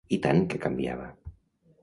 I tant que canviava!